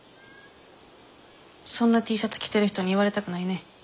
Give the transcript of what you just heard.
そんなＴシャツ着てる人に言われたくないね。